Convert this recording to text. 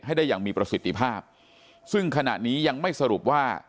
ได้อย่างมีประสิทธิภาพซึ่งขณะนี้ยังไม่สรุปว่า